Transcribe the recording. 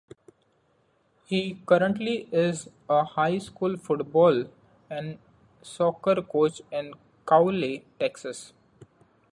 He currently is a high school football and soccer coach in Crowley, Texas.